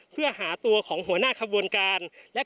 พร้อมด้วยผลตำรวจเอกนรัฐสวิตนันอธิบดีกรมราชทัน